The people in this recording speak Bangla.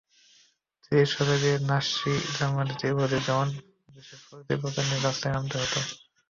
তিরিশের দশকে নাৎসি জার্মানিতে ইহুদিদের যেমন বিশেষ পরিচয়পত্র নিয়ে রাস্তায় নামতে হতো।